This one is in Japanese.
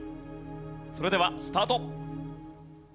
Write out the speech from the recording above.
それではスタート。